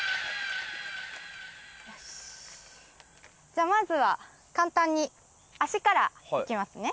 じゃあまずは簡単に足からいきますね。